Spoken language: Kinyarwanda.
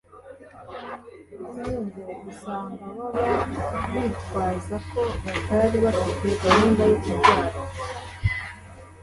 Bamwe ngo usanga baba bitwaza ko batari bafite gahunda yo kubyara